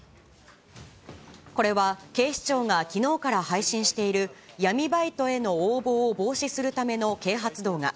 これは警視庁がきのうから配信している、闇バイトへの応募を防止するための啓発動画。